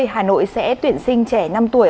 hà nội sẽ tuyển sinh trẻ năm tuổi